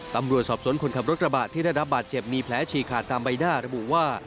ตำรวจสอบสวนคนขับรถกระบะที่ได้รับบาดเจ็บมีแผลฉีกขาดตามใบหน้าระบุว่า